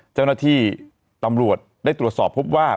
เจ้าหน้าที่ตำรวจได้ตรวจสอบพบว่า